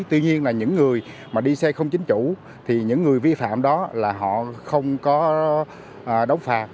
tuy nhiên là những người mà đi xe không chính chủ thì những người vi phạm đó là họ không có đóng phạt